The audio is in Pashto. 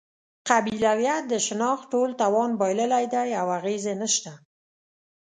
قبیلویت د شناخت ټول توان بایللی دی او اغېز یې نشته.